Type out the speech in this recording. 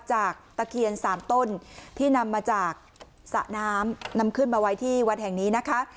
ตะเคียนสามต้นที่นำมาจากสระน้ำนำขึ้นมาไว้ที่วัดแห่งนี้นะคะ